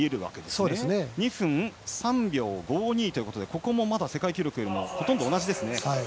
今のターン２分３秒５２ということでここもまだ世界記録とほとんど同じですね。